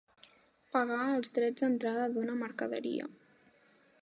Pagar els drets d'entrada d'una mercaderia.